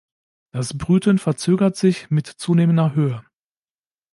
Das Brüten verzögert sich mit zunehmender Höhe.